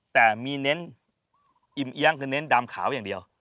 แต่มีเน้นอิ่มเอี๊ยงคือเน้นดำขาวอย่างเดียว